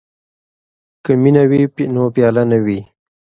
که مینه وي نو پیاله نه وي.